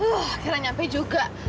akhirnya nyampe juga